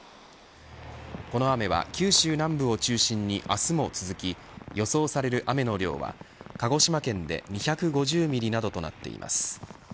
この雨は九州南部を中心に明日も続き予想される雨の量は鹿児島県で２５０ミリなどとなっています。